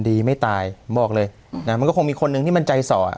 ดีไม่ตายบอกเลยนะมันก็คงมีคนหนึ่งที่มันใจส่ออ่ะ